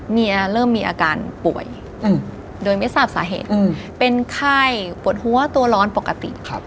เริ่มมีอาการป่วยโดยไม่ทราบสาเหตุเป็นไข้ปวดหัวตัวร้อนปกติ